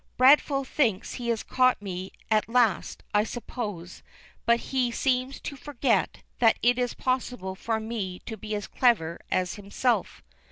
"Bradfield thinks he has caught me at last, I suppose; but he seems to forget that it is possible for me to be as clever as himself.